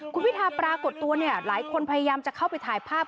คุณพิทาริมเจริญรัฐปรากฏตัวหลายคนพยายามจะเข้าไปถ่ายภาพ